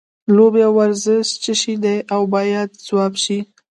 لوبې او ورزش څه شی دی باید ځواب شي.